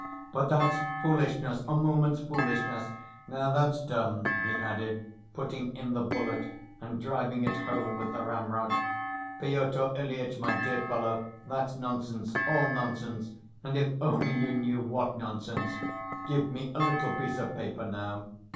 But that's foolishness, a moment's foolishness. Now that's done," he added, putting in the bullet and driving it home with the ramrod. "Pyotr Ilyitch, my dear fellow, that's nonsense, all nonsense, and if only you knew what nonsense! Give me a little piece of paper now."